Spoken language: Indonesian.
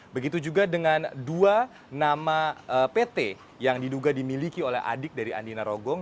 begitu juga dengan dua nama pt yang diduga dimiliki oleh adik dari andi narogong